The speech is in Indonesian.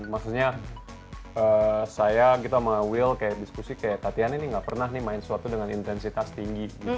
maksudnya saya gitu sama will kayak diskusi kayak tatiana ini gak pernah main sesuatu dengan intensitas tinggi gitu